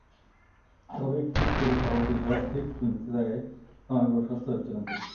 তবে একটি স্কুলের সভাপতি হিসেবে আর্থিক দুর্নীতির দায়ে সাময়িক বরখাস্ত হয়েছিলেন তিনি।